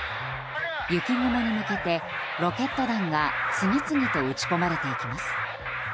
雪雲に向けてロケット弾が次々と打ち込まれていきます。